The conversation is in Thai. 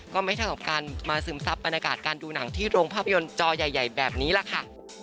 ก็ไม่เท่ากับการมาซึมซับบรรยากาศการดูหนังที่โรงภาพยนตร์จอใหญ่แบบนี้แหละค่ะ